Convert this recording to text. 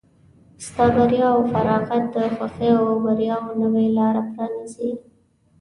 ستا بریا او فارغت د خوښیو او بریاوو نوې لاره پرانیزي.